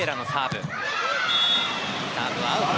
サーブはアウト。